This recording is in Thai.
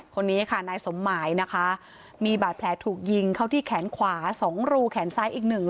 คนนี้ค่ะนายสมหมายนะคะมีบาดแผลถูกยิงเข้าที่แขนขวา๒รูแขนซ้ายอีกหนึ่ง